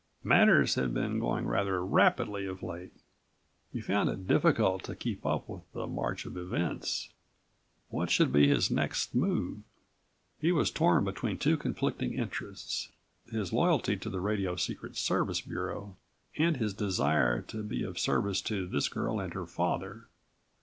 Matters had been going rather rapidly of late. He found it difficult to keep up with the march of events. What should be his next move? He was torn between two conflicting interests: his loyalty to the radio secret service bureau and his desire to be of service to this100 girl and her father.